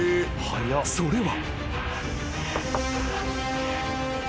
［それは］